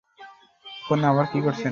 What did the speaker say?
ফোনে আবার কি করছেন?